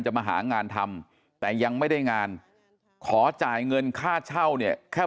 มาหางานทำแต่ยังไม่ได้งานขอจ่ายเงินค่าเช่าเนี่ยแค่